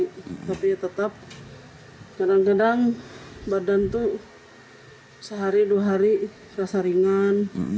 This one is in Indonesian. tapi tetap kadang kadang badan tuh sehari dua hari rasa ringan